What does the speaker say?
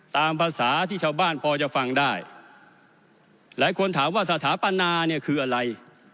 ตามภาษาที่ชาวบ้านพอจะฟังได้หลายคนถามว่าสถาปนาเนี่ยคืออะไร